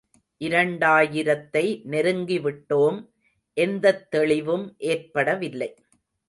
இரண்டாயிரத்தை நெருங்கிவிட்டோம் எந்தத் தெளிவும் ஏற்படவில்லை.